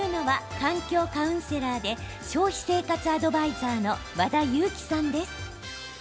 環境カウンセラーで消費生活アドバイザーの和田由貴さんです。